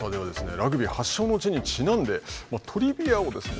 ラグビー発祥の地にちなんでトリビアをですね